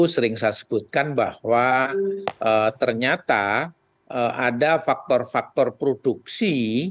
sering saya sebutkan bahwa ternyata ada faktor faktor produksi